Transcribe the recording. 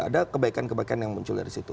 ada kebaikan kebaikan yang muncul dari situ